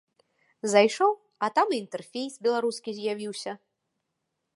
Зайшоў, а там інтэрфейс беларускі з'явіўся.